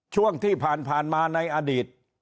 ช่วงที่ผ่านมาในอดีต